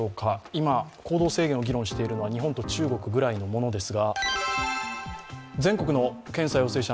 今、行動制限を議論しているのは日本と中国ぐらいのものです。